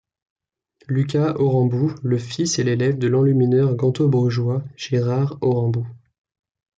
Lucas Horenbout le fils et l'élève de l'enlumineur ganto-brugeois Gerard Horenbout.